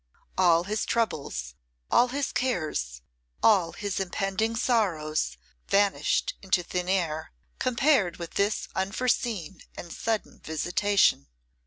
All his troubles, all his cares, all his impending sorrows, vanished into thin air, compared with this unforeseen and sudden visitation.